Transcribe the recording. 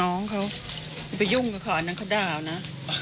น้องเขาไปยุ่งกับข้านนางขดาวนะ